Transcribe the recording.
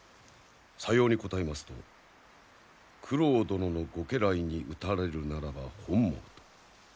さように答えますと九郎殿のご家来に討たれるならば本望と。